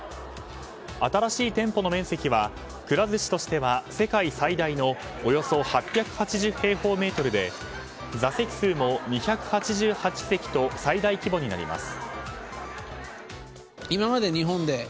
新しい店舗の面積はくら寿司としては世界最大のおよそ８８０平方メートルで座席数も２８８席と最大規模になります。